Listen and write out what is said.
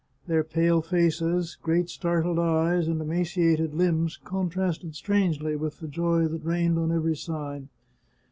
Their pale faces, great startled eyes, and emaciated limbs, contrasted strangely with the joy that reigned on every side.